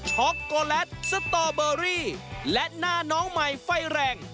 ช็อกโกแลตสตอเบอรี่และหน้าน้องใหม่ไฟแรง